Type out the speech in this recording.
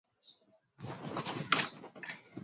mimi ninachosema ni kwamba hata katika hao sitini